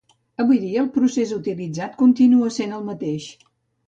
Avui en dia el procés utilitzat continua essent el mateix.